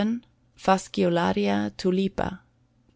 Fasciolaria Tulipa.